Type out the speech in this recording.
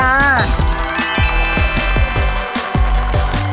มันต้องมาเท่าไหร่